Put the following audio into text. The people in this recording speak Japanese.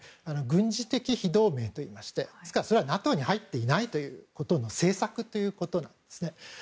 軍事的非同盟と言いましてそれはＮＡＴＯに入っていないということの政策ということなんです。